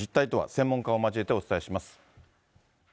専門家を交えてお伝えします。